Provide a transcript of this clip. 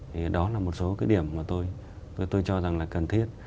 thì đó là một số cái điểm mà tôi cho rằng là cần thiết